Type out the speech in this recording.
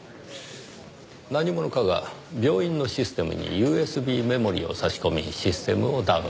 何者かが病院のシステムにＵＳＢメモリを差し込みシステムをダウンさせた。